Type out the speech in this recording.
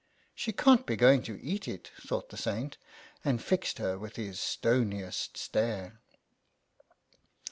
"She can't be going to eat it," thought the Saint, and fixed her with his stoniest stare.